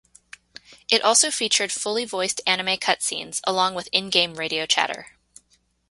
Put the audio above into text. It also featured fully voiced anime cut-scenes, along with in-game radio chatter.